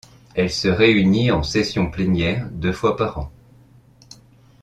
Elle se réunit en session plénière deux fois par an.